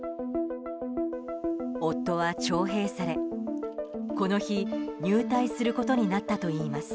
夫は徴兵され、この日入隊することになったといいます。